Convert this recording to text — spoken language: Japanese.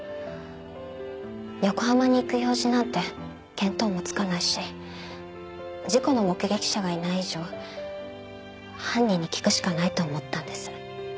横浜に行く用事なんて見当もつかないし事故の目撃者がいない以上犯人に聞くしかないと思ったんです。